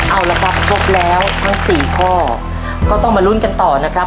เอาละครับครบแล้วทั้งสี่ข้อก็ต้องมาลุ้นกันต่อนะครับ